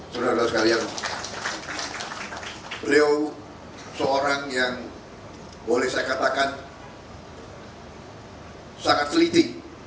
saudara saudara sekalian beliau seorang yang boleh saya katakan sangat teliti